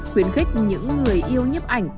khuyến khích những người yêu nhấp ảnh